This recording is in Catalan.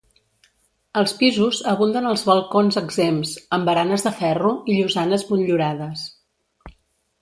Als pisos abunden els balcons exempts, amb baranes de ferro i llosanes motllurades.